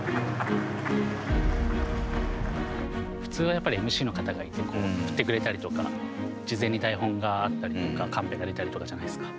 普通はやっぱりＭＣの方がいて振ってくれたりとか事前に台本があったりとかカンペが出てとかじゃないですか。